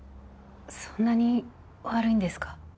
そんなに悪いんですか？